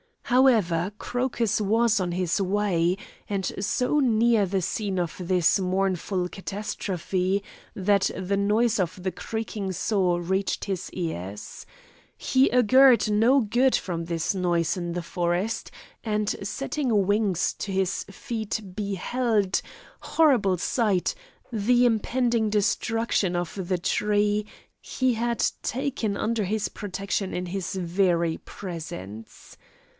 However Crocus was on his way, and so near the scene of this mournful catastrophe, that the noise of the creaking saw reached his ears. He augured no good from this noise in the forest, and setting wings to his feet beheld horrible sight the impending destruction of the tree he had taken under his protection in his very presence.